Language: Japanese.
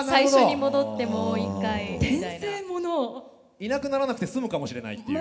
いなくならなくて済むかもしれないっていう。